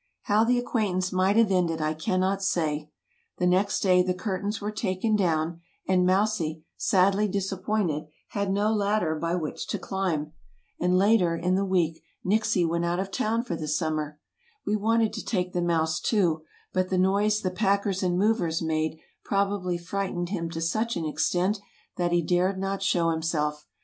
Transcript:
How the acquaintance might have ended I cannot say. The next day the curtains were taken down and Mousie, sadly disappointed, had no ladder by which to climb. And later in the week Nixie went out of town for the summer. We wanted to take the mouse, too, but the noise the packers and movers made probably frightened him to such an extent that he dared not show himself.